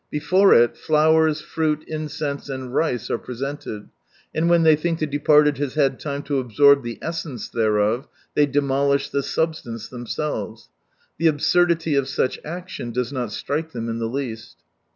Before it, flowers, fruir, in cense, and rice are presented, and when they think the departed has had lime to absorb the essence thereof, they demolish the substance themselves ; the absurdity of such action does not strike them in the least.